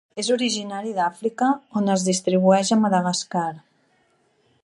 És originari d'Àfrica on es distribueix a Madagascar.